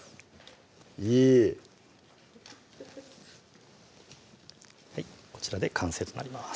いいはいこちらで完成となります